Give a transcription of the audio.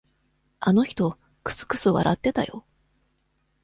あの人、くすくす笑ってたよ。